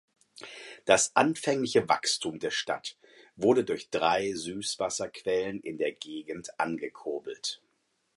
Das anfängliche Wachstum der Stadt wurde durch drei Süßwasserquellen in der Gegend angekurbelt.